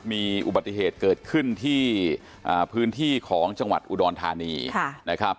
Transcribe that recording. มีอุบัติเหตุเกิดขึ้นที่พื้นที่ของจังหวัดอุดรธานีนะครับ